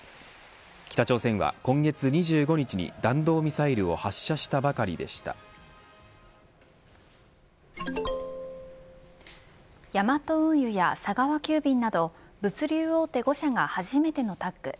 北朝鮮は今月２５日に弾道ミサイルをヤマト運輸や佐川急便など物流大手５社が初めてのタッグ。